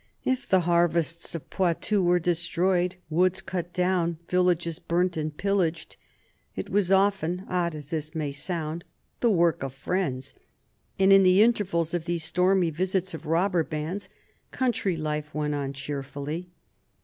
If the harvests of Poitou were destroyed, woods cut down, villages burnt and pillaged, it was often, odd as this may sound, the work of friends, and in the intervals of these stormy visits of robber bands, country life went on cheerfully.